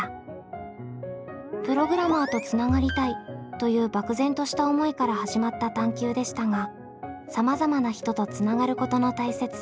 「プログラマーとつながりたい」という漠然とした思いから始まった探究でしたがさまざまな人とつながることの大切さに気付き